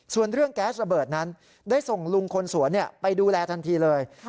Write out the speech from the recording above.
ส่วนเรื่องแก๊สระเบิดนั้นได้ส่งลุงคนสวนไปดูแลทันทีเลย